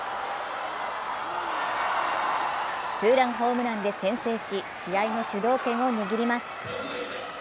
ツーランホームランで先制し、試合の主導権を握ります。